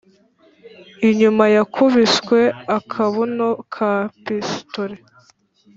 inyuma yakubiswe akabuno ka pisitole